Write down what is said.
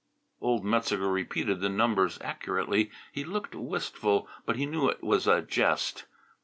Old Metzeger repeated the numbers accurately. He looked wistful, but he knew it was a jest.